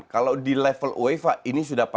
kalau di level uefa ini sudah